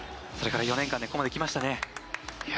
それから４年間でここまできましたね。